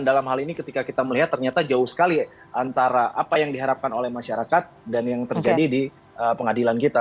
dalam hal ini ketika kita melihat ternyata jauh sekali antara apa yang diharapkan oleh masyarakat dan yang terjadi di pengadilan kita